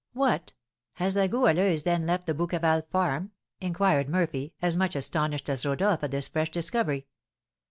"What! Has La Goualeuse, then, left the Bouqueval farm?" inquired Murphy, as much astonished as Rodolph at this fresh discovery.